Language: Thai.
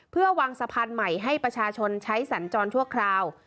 เพื่อวางสะพานใหม่ให้ประชาชนใช้สัญจรชั่วคราว